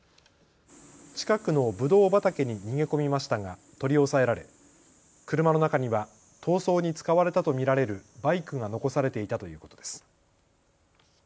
近くのぶどう畑に逃げ込みましたが取り押さえられ車の中には逃走に使われたと見られるバイクが残されていたということです。